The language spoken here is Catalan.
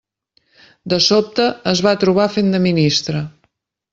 De sobte es va trobar fent de ministre.